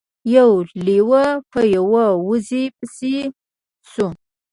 یو لیوه په یوې وزې پسې شو.